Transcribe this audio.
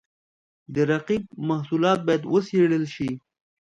د رقیب محصولات باید وڅېړل شي.